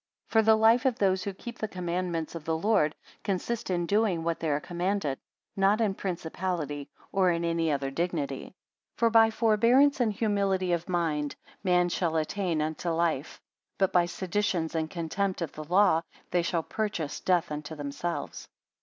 For the life of those who keep the commandments of the Lord, consists in doing what they are commanded; not in principality, or in any other dignity. 64 For by forbearance and humility of mind, men shall attain unto life; but by seditions and contempt of the law, they shall purchase death unto themselves.